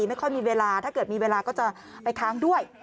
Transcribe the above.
ไม่ค่อยมีเวลาถ้าเกิดมีเวลาก็จะไปค้างด้วย